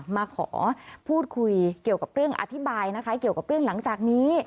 มาขอพูดคุยเกี่ยวกับเรื่องอธิบายนะคะเกี่ยวกับเรื่องหลังจากนี้